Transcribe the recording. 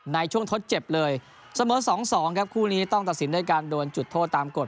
ในช่วงทดเจ็บเลยเสมอ๒๒ครับคู่นี้ต้องตัดสินด้วยการโดนจุดโทษตามกฎ